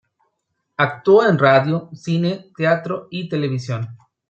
Actuó en radio, cine, teatro y televisión.